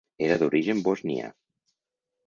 Era d'origen bosnià.